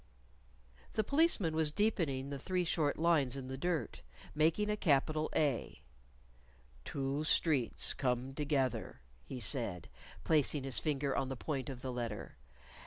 The Policeman was deepening the three short lines in the dirt, making a capital A. "Two streets come together," he said, placing his finger on the point of the letter.